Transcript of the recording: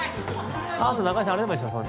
あと中居さんあれ、やればいいですよ。